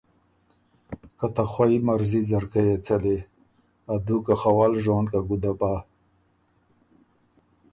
که ته خوئ مرضی ځرکۀ يې څلی، ا دُوکه خه ول ژون که ګُده بَۀ،